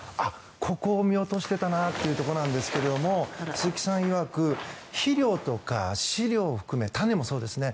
ここを見落としていたなっていうところなんですが鈴木さんいわく肥料とか飼料を含め種もそうですね。